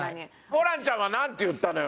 ホランちゃんはなんて言ったのよ